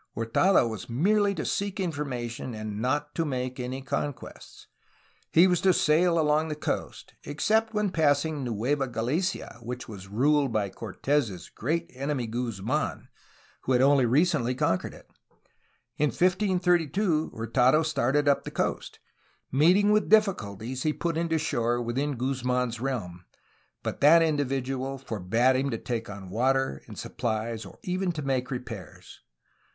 Hurtado was merely to seek information and not to make any conquests. He was to sail along the coast, except when passing Nueva Galicia, which was ruled by Cortes' great enemy Guzmdn, who had only recently conquered it. In 1532 Hurtado started up the coast. Meet ing with difficulties he put in to shore within Guzman's realm, but that individual forbade him to take on water and supplies or even to make repairs.